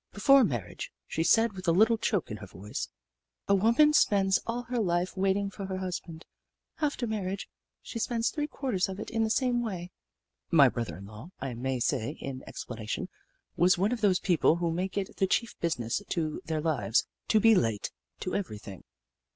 " Before marriage," she said, with a little choke in her voice, " a v/oman spends all her life waiting for her husband. After marriage, she spends three quarters of it in the same way." My brother in law, I may say, in explanation, was one of those people who make it the chief business of their lives to be late to everything.